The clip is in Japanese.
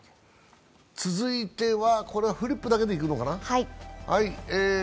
続いてはフリップだけでいくのかな。